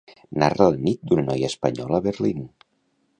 Narra la nit d'una noia espanyola a Berlin.